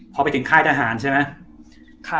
พอไปถึงค่ายทหารใช่ไหม